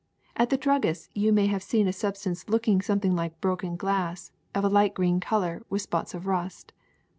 At the druggist's you may have seen a substance looking something like broken glass of a light green color with spots of rust.